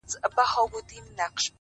د انسان ارزښت په کړنو سنجول کېږي.!